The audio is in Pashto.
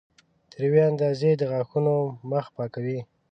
تر یوې اندازې د غاښونو مخ پاکوي.